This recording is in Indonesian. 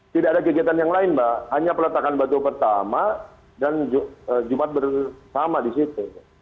tidak ada kegiatan yang lain mbak hanya peletakan batu pertama dan jumat bersama di situ